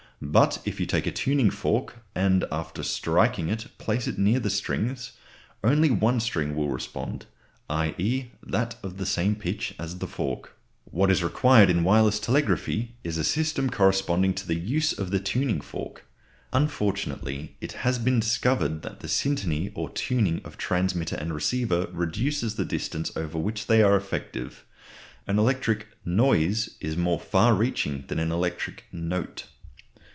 But if you take a tuning fork and after striking it place it near the strings, only one string will respond, i.e. that of the same pitch as the fork. What is required in wireless telegraphy is a system corresponding to the use of the tuning fork. Unfortunately, it has been discovered that the syntony or tuning of transmitter and receiver reduces the distance over which they are effective. An electric "noise" is more far reaching than an electric "note."